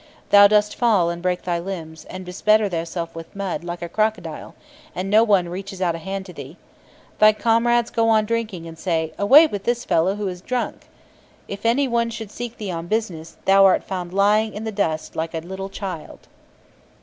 Thou dost fall and break thy limbs, and bespatter thyself with mud, like a crocodile, and no one reaches out a hand to thee. Thy comrades go on drinking, and say, 'Away with this fellow, who is drunk.' If anyone should seek thee on business, thou art found lying in the dust like a little child."